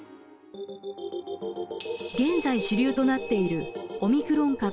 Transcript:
現在主流となっているオミクロン株ＢＡ．５。